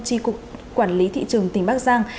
chi cục quản lý thị trường tỉnh bắc giang